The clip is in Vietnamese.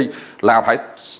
là phải xác định phát hiện cho được